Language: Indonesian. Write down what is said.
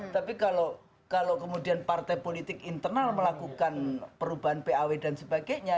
tapi kalau kemudian partai politik internal melakukan perubahan paw dan sebagainya